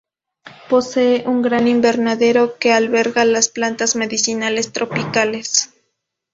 Posee un gran invernadero que alberga las plantas medicinales tropicales.